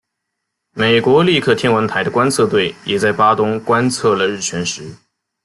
美国利克天文台的观测队也在巴东观测了日全食。